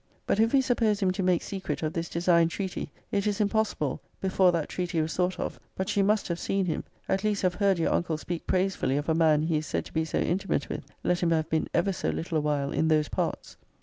But if we suppose him to make secret of this designed treaty, it is impossible, before that treaty was thought of, but she must have seen him, at least have heard your uncle speak praisefully of a man he is said to be so intimate with, let him have been ever so little a while in those parts.